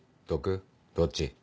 毒？どっち？